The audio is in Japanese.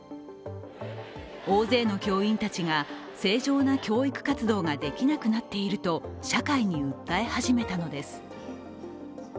大勢の教員たちが正常な教育活動ができなくなっていると社会に訴え始めたのです。